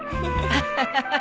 アハハハ。